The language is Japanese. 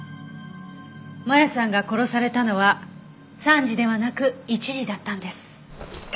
真弥さんが殺されたのは３時ではなく１時だったんです。